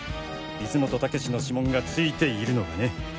光本猛志の指紋が付いているのがね。